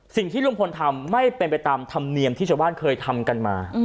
สิ่งที่ลุงพลทำไม่เป็นไปตามธรรมเนียมที่ชาวบ้านเคยทำกันมา